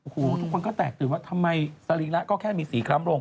ทุกคนก็แตกตื่นว่าทำไมสรีระก็แค่มี๔คล้ำโล่ง